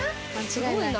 すごいな。